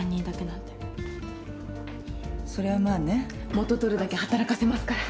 元取るだけ働かせますから。